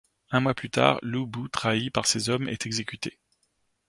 Un mois plus tard, Lü Bu, trahi par ses hommes, est exécuté.